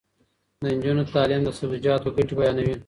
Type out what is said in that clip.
د نجونو تعلیم د سبزیجاتو ګټې بیانوي.